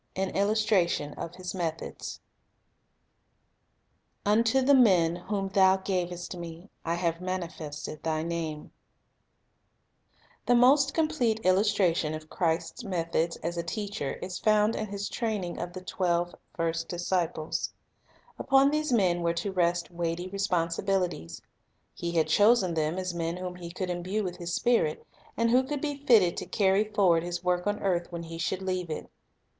ZLn Illustration of His Methods "unto the men whom thou g a v e s t m e , i have m a n i I ESTED THY NAM k" Training of the Twelve The Family School r l^ HE most complete illustration of Christ's methods * as a teacher is found in His training of the twelve first disciples. Upon these men were to rest weighty responsibilities. He had chosen them as men whom He could imbue with His Spirit, and who could be fitted to carry forward His work on earth when He should leave it.